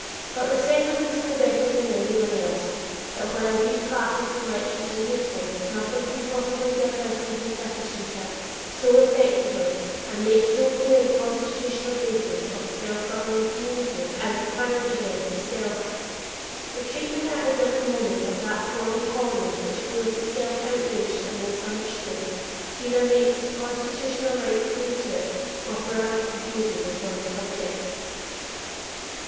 But the Settlements know better than anyone else that while these classes and lectures are useful, nothing can possibly give lessons in citizenship so effectively and make so clear the constitutional basis of a self governing community as the current event itself. The treatment at a given moment of that foreign colony which feels itself outraged and misunderstood, either makes its constitutional rights clear to it, or forever confuses it on the subject.